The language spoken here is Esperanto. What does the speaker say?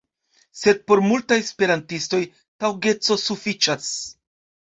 Sed por multaj Esperantistoj taŭgeco sufiĉas.